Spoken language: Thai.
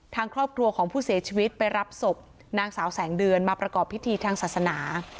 ทางครอบครัวของผู้เสียชีวิตไปรับศพนางสาวแสงเดือนมาประกอบพิธีทางศาสนา